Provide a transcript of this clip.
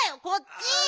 こっち。